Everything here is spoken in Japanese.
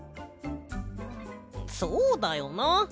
そうだよな。